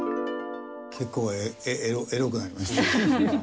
結構エロくなりましたね。